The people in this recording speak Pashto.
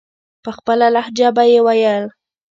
په خپله لهجه به یې ویل.